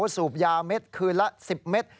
สูบยาเม็ดคืนละ๑๐เมตร